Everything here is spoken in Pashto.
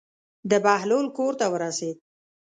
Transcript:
د بهلول کور ته ورسېد.